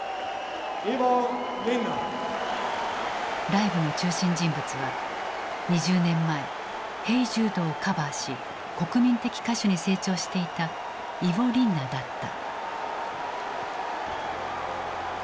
ライブの中心人物は２０年前「ＨｅｙＪｕｄｅ」をカバーし国民的歌手に成長していたイヴォ・リンナだった。